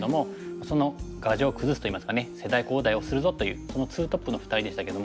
その牙城を崩すといいますかね世代交代をするぞというそのツートップの２人でしたけども。